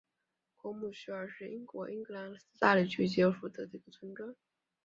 果姆雪尔是英国英格兰萨里郡吉尔福德的一个村庄。